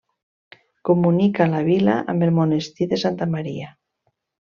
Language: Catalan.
Comunica la vila amb el monestir de Santa Maria.